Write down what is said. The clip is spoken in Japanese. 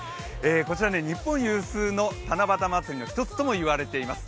こちら、日本有数の七夕まつりの１つともいわれています。